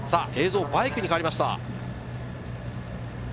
映像はバイクに変わりました。